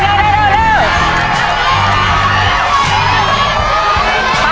ไปลูกตีแล้วคัน